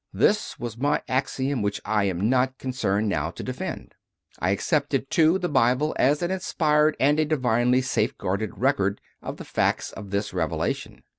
This was my axiom which I am not concerned now to defend. I accepted, too, the Bible as an inspired and a divinely safeguarded record of the facts of this Revelation.